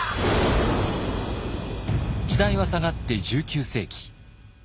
時代は下がって１９世紀。